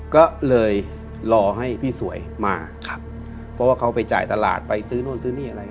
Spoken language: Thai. ก็เลยรอให้พี่สวยมาครับเพราะว่าเขาไปจ่ายตลาดไปซื้อนู่นซื้อนี่อะไร